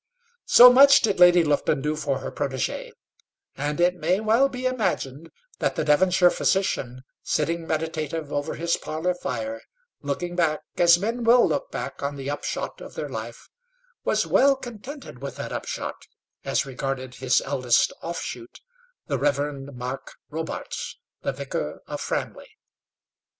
So much did Lady Lufton do for her protégé, and it may well be imagined that the Devonshire physician, sitting meditative over his parlour fire, looking back, as men will look back on the upshot of their life, was well contented with that upshot, as regarded his eldest offshoot, the Rev. Mark Robarts, the vicar of Framley.